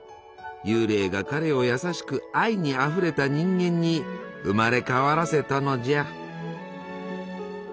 幽霊が彼を優しく愛にあふれた人間に生まれ変わらせたのじゃ。